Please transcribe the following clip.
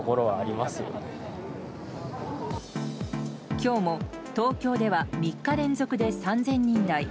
今日も東京では３日連続で３０００人台。